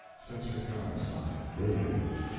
(Sets her gun aside.) W. (To Geo.)